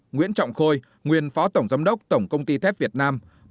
một nguyễn trọng khôi nguyên phó tổng giám đốc tổng công ty thép việt nam